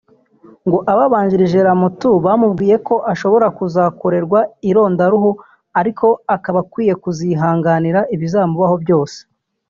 ngo ababanjirije Ramatou bamubwiye ko ashobora kuzakorerwa irondaruhu ariko akaba akwiye kuzihanganira ibizamubaho byose